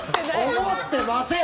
思ってません！